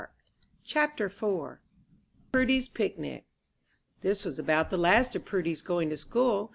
_" CHAPTER IV PRUDY'S PICNIC This was about the last of Prudy's going to school.